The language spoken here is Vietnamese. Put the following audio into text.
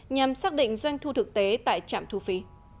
nhằm xác định doanh thu thực tế tại trạm thu phí